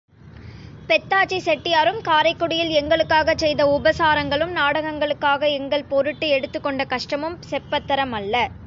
பெத்தாச்சி செட்டியாரும் காரைக்குடியில் எங்களுக்காகச் செய்த உபசாரங்களும், நாடகங்களுக்காக எங்கள் பொருட்டு எடுத்துக்கொண்ட கஷ்டமும் செப்பத்தரமல்ல.